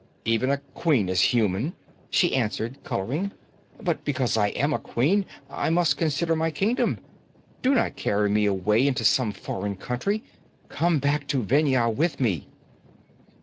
'Even a queen is human,' she answered, coloring. 'But because I am a queen, I must consider my kingdom. Do not carry me away into some foreign country. Come back to Vendhya with me!'